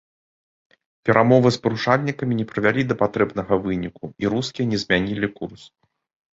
Перамовы з парушальнікамі не прывялі да патрэбнага выніку, і рускія не змянілі курс.